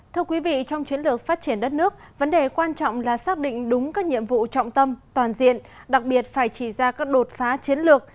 thưa quý vị trong chiến lược phát triển đất nước vấn đề quan trọng là xác định đúng các nhiệm vụ trọng tâm toàn diện đặc biệt phải chỉ ra các đột phá chiến lược